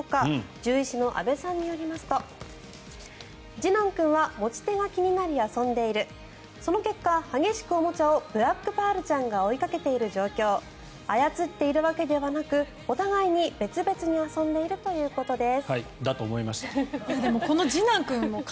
獣医師の阿部さんによりますと次男君は持ち手が気になり遊んでいるその結果、激しく動くおもちゃをブラックパールちゃんが追いかけている状況操っているわけではなくお互いに別々に遊んでいるということです。